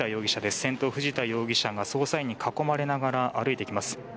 先頭、藤田容疑者が捜査員に囲まれながら歩いてきます。